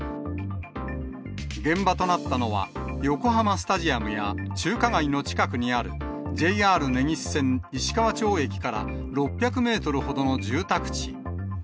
現場となったのは、横浜スタジアムや中華街の近くにある、ＪＲ根岸線石川町駅から６００メートルほどの住宅地。